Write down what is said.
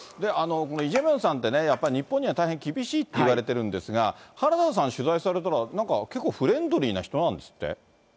イ・ジェミョンさんってね、やっぱり日本には大変厳しいって言われているんですが、原田さん、取材されたら、なんか結構、フレンドリーな人なんですって？